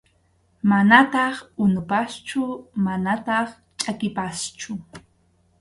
Manataq unupaschu manataq chʼakipaschu.